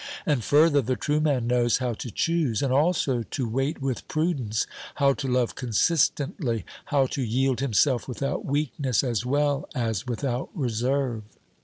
And further, the true man knows how to choose and also to wait with prudence, how to love consistently, how to yield himself without weakness as well as without reserve.